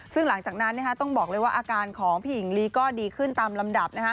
ซึ่งหลังจากนั้นต้องบอกเลยว่าอาการของพี่หญิงลีก็ดีขึ้นตามลำดับ